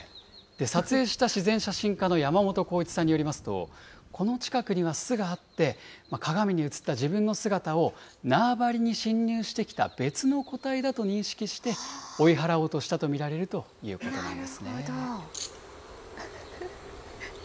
撮影した自然写真家の山本光一さんによりますと、この近くには巣があって、鏡に映った自分の姿を、縄張りに侵入してきた別の個体だと認識して、追い払おうとしたとなるほど。